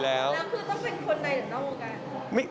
แล้วคือต้องเป็นคนใดหรือต้องโกหก